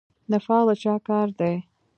نفاق د چا کار دی؟